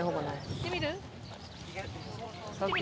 行ってみる？